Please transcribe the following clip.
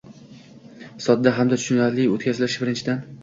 sodda hamda tushunarli o‘tkazilishi birinchidan